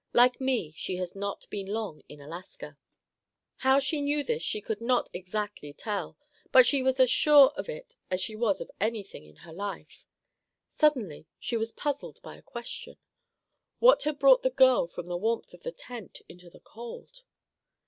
"Like me, she has not been long in Alaska." How she knew this she could not exactly tell, but she was as sure of it as she was of anything in life. Suddenly she was puzzled by a question: "What had brought the girl from the warmth of the tent into the cold?"